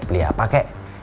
beli apa kek